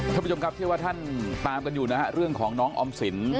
ท่านผู้ชมครับเชื่อว่าท่านตามกันอยู่นะฮะเรื่องของน้องออมสิน